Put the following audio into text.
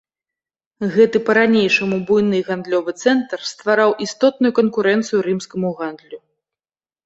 Гэты па-ранейшаму буйны гандлёвы цэнтр ствараў істотную канкурэнцыю рымскаму гандлю.